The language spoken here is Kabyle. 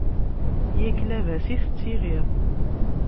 Yak labas i tettiliḍ!